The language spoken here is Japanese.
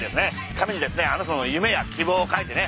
紙にですねあなたの夢や希望を書いてね。